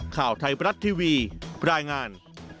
ข่าวไทยบรัฐทีวีรายงาน